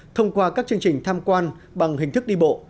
thông qua các chương trình tham quan bằng hình thức đi bộ